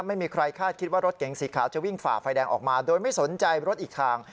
ไม่มีใครคาดคิดว่ารถเก๋งสีขาวจะวิ่งฝ่าไฟแดงออกมาโดยไม่สนใจรถอีกทาง